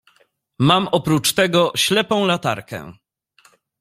"Mam oprócz tego ślepą latarkę."